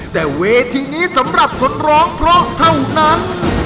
แต่เวทีนี้สำหรับคนร้องเพราะเท่านั้น